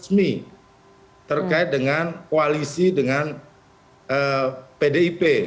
ada kesimpulan resmi terkait dengan koalisi dengan pdip